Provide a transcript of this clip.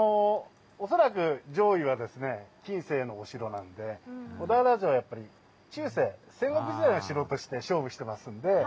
恐らく上位は近世のお城なので小田原城は中世戦国時代の城として勝負してますので。